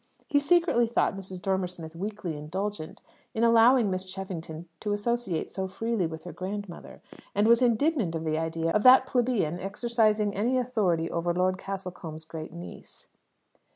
He secretly thought Mrs. Dormer Smith weakly indulgent in allowing Miss Cheffington to associate so freely with her grandmother, and was indignant at the idea of that plebeian exercising any authority over Lord Castlecombe's grand niece.